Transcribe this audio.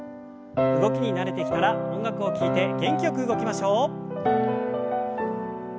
動きに慣れてきたら音楽を聞いて元気よく動きましょう。